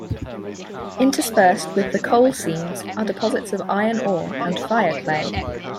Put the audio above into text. Interspersed with the coal seams are deposits of iron ore and fireclay.